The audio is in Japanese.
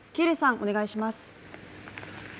お願いします。